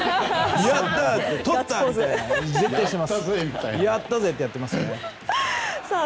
やったぜ！って絶対やってます。